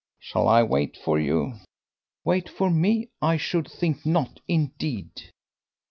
"Shall I wait for you?" "Wait for me! I should think not, indeed."